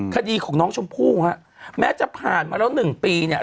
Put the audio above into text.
คดีของน้องชมพู่ฮะแม้จะผ่านมาแล้ว๑ปีเนี่ย